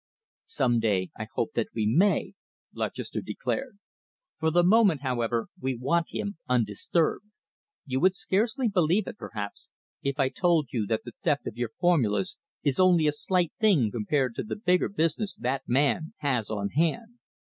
"Some day I hope that we may," Lutchester declared. "For the moment, however, we want him undisturbed. You would scarcely believe it, perhaps, if I told you that the theft of your formulas is only a slight thing compared to the bigger business that man has on hand.